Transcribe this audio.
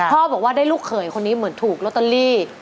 บอกว่าได้ลูกเขยคนนี้เหมือนถูกลอตเตอรี่